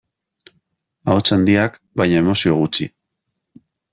Ahots handiak, baina emozio gutxi.